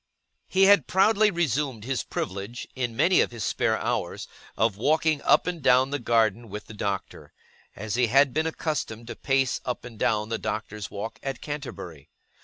He had proudly resumed his privilege, in many of his spare hours, of walking up and down the garden with the Doctor; as he had been accustomed to pace up and down The Doctor's Walk at Canterbury.